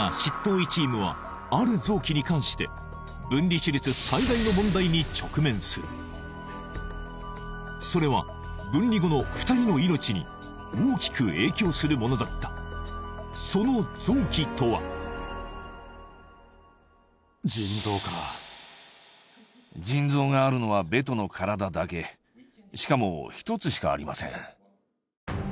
医チームはある臓器に関してに直面するそれは分離後の２人の命に大きく影響するものだったその臓器とは腎臓か腎臓があるのはベトの体だけしかも１つしかありません